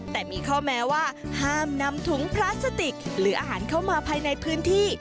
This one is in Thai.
แต่มีข้อแม้ว่าห้ามนำถุงพลาสติกหรืออาหารเข้ามาภายในพื้นที่